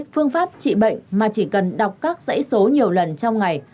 phương pháp trị bệnh mà chỉ cần đọc các dãy số nhiều lần trong ngày